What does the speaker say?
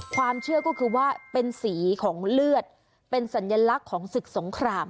ความเชื่อก็คือว่าเป็นสีของเลือดเป็นสัญลักษณ์ของศึกสงคราม